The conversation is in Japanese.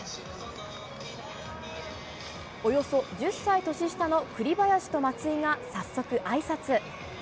およそ１０歳年下の栗林と松井が早速あいさつ。